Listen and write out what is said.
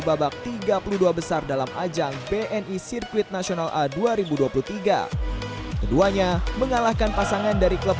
babak tiga puluh dua besar dalam ajang bni sirkuit nasional a dua ribu dua puluh tiga keduanya mengalahkan pasangan dari klub